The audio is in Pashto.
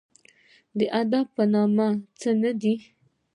د ادب په نوم څه نه دي